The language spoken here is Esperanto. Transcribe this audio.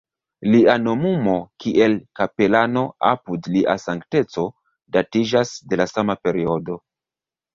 Lia nomumo kiel kapelano apud Lia Sankteco datiĝas de la sama periodo.